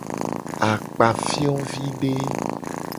Akpafiovide.